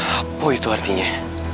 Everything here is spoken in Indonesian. apa itu artinya